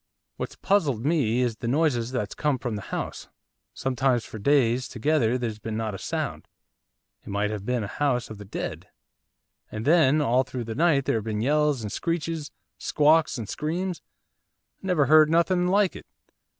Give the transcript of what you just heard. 'What's puzzled me is the noises that's come from the house. Sometimes for days together there's not been a sound, it might have been a house of the dead; and then, all through the night, there've been yells and screeches, squawks and screams, I never heard nothing like it.